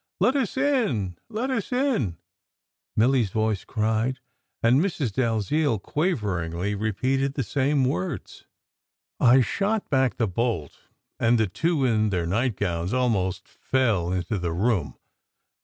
" Let us in let us in !" Milly s voice cried, and Mrs. Dalziel quaveringly repeated the same words. 114 SECRET HISTORY I shot back the bolt, and the two in their nightgowns almost fell into the room.